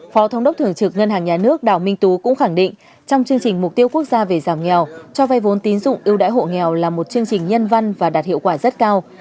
phó thống đốc thường trực ngân hàng nhà nước đào minh tú cũng khẳng định trong chương trình mục tiêu quốc gia về giảm nghèo cho vay vốn tín dụng ưu đãi hộ nghèo là một chương trình nhân văn và đạt hiệu quả rất cao